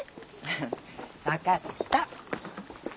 分かった。